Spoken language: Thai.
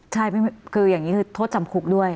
ใช่คืออย่างนี้คือโทษจำคุกด้วย